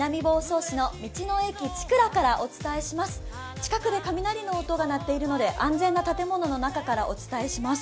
近くで雷の音が鳴っているので安全な建物の中からお届けします。